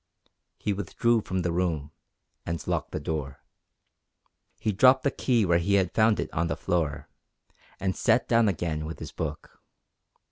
He withdrew from the room, and locked the door. He dropped the key where he had found it on the floor, and sat down again with his book.